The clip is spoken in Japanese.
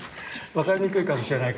分かりにくいかもしれないけど。